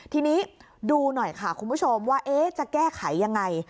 ทีนี้ดูหน่อยค่ะคุณผู้ชมว่าจะแก้ไขยังไง